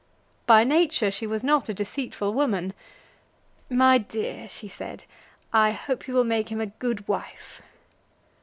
By nature she was not a deceitful woman. "My dear," she said, "I hope you will make him a good wife."